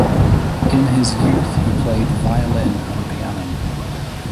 In his youth he played violin and piano.